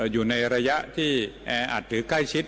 อยู่ในระยะที่อาจถือก้ายชิด